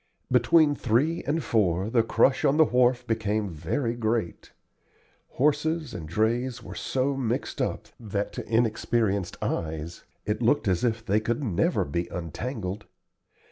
Between three and four the crush on the wharf became very great. Horses and drays were so mixed up that to inexperienced eyes it looked as if they could never be untangled.